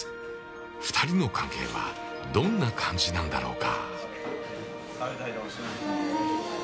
２人の関係はどんな感じなんだろうか。